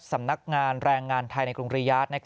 สำนักงานแรงงานไทยในกรุงริยาท